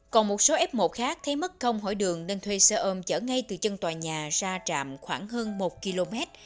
còn một số f một khác thấy mất công hỏi đường nên thuê xe ôm chở ngay từ chân tòa nhà ra trạm khoảng hơn một km